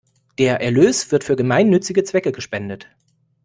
Der Erlös wird für gemeinnützige Zwecke gespendet.